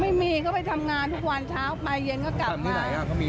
ไม่มีก็ไปทำงานทุกวันเช้าไปเย็นก็กลับมา